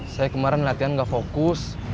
saya kemarin latihan nggak fokus